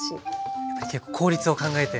やっぱり効率を考えて。